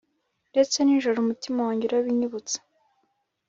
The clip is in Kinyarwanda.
ndetse na nijoro umutima wanjye urabinyibutsa